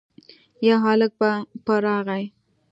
يو هلک په راغی.